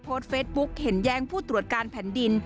โพสต์เฟซบุ๊กเห็นแย้งผู้ตรวจการแผ่นดิน